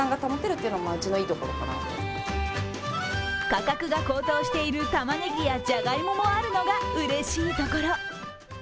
価格が高騰しているたまねぎやじゃがいももあるのがうれしいところ。